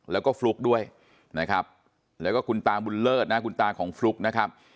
แล้วก็ฟลุ๊กด้วยนะครับแล้วก็คุณตาบุญเลิศนะคุณตาของฟลุ๊กนะครับ